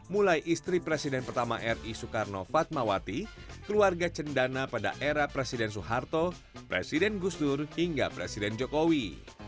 mulai istri presiden pertama ri soekarno fatmawati keluarga cendana pada era presiden soeharto presiden gusdur hingga presiden jokowi